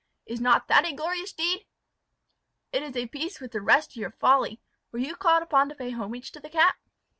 Is not that a glorious deed!" "It is of a piece with the rest of your folly. Were you called upon to pay homage to the cap?"